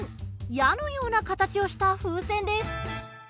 矢のような形をした風船です。